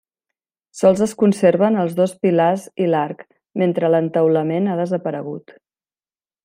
Sols es conserven els dos pilars i l'arc, mentre l'entaulament ha desaparegut.